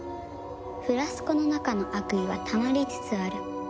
フラスコの中の悪意はたまりつつある。